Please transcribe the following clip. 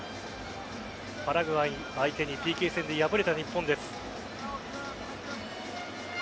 パラグアイ相手にＰＫ戦で敗れた日本です。